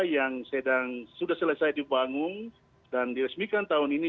yang sudah selesai dibangun dan diresmikan tahun ini